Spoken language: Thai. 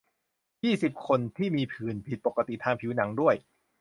ยี่สิบ คน ที่มีผื่นผิดปกติทางผิวหนังด้วย